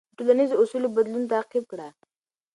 د ټولنیزو اصولو بدلون تعقیب کړه.